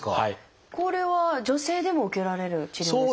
これは女性でも受けられる治療ですか？